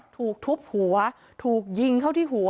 ถูกทุบหัวถูกยิงเข้าที่หัว